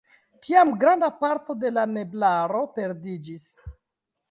Tiam granda parto de la meblaro perdiĝis.